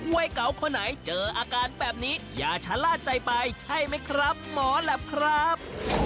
วัยเก่าคนไหนเจออาการแบบนี้อย่าชะล่าใจไปใช่ไหมครับหมอแหลปครับ